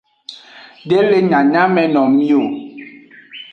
De le nyanyamenomi o.